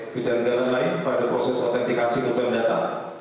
kejangan yang lain pada proses autentikasi nutang data